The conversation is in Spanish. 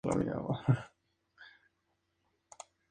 Tiene su origen en el límite de provincia de Toledo.